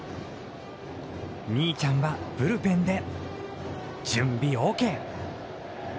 兄ちゃんは、ブルペンで準備ＯＫ。